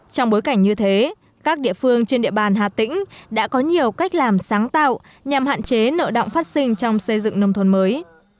trong bối cảnh như thế các địa phương trên địa bàn hà tĩnh đã có nhiều cách làm sáng tạo nhằm hạn chế nợ động phát sinh trong xây dựng nông thôn mới